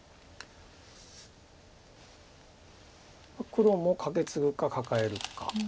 黒もカケツグかカカえるか。